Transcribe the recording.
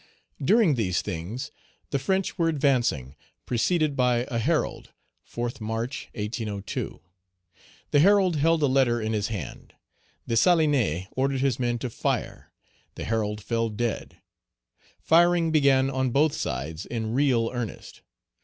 During these things, the French were advancing, preceded by a herald (4th March, 1802). The herald held a letter in his hand. Dessalines ordered his men to fire. The herald fell dead. Firing began on both sides in real earnest.